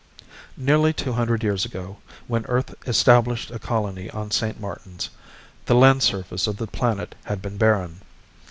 Nearly two hundred years ago, when Earth established a colony on St. Martin's, the land surface of the planet had been barren.